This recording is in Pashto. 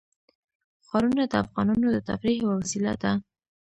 ښارونه د افغانانو د تفریح یوه وسیله ده.